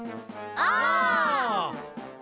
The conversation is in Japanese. お！